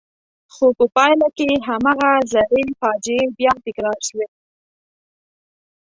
خو په پایله کې هماغه زړې فاجعې بیا تکرار شوې.